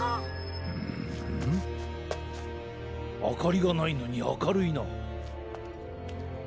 あかりがないのにあかるいな。